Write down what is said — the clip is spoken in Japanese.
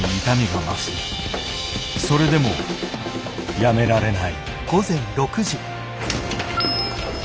それでもやめられない。